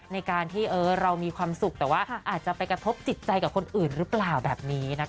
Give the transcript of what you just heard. ในการที่เรามีความสุขแต่ว่าอาจจะไปกระทบจิตใจกับคนอื่นหรือเปล่าแบบนี้นะคะ